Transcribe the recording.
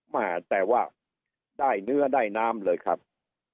แม่แต่ว่าได้เนื้อได้น้ำเลยครับ